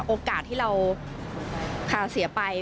โอกาสที่เราเสียไป